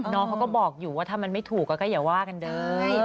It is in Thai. น้องเขาก็บอกอยู่ว่าถ้ามันไม่ถูกก็อย่าว่ากันเลย